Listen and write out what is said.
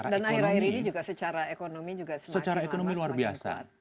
dan akhir akhir ini juga secara ekonomi juga semakin luar biasa